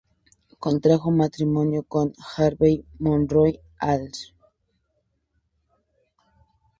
Contrajo matrimonio con Harvey Monroe Hall.